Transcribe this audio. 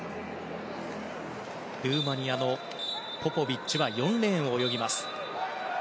ルーマニアのポポビッチは４レーンを泳ぎます。